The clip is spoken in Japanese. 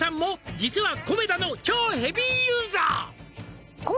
「実はコメダの超ヘビーユーザー」